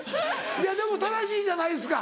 いやでも正しいじゃないですか。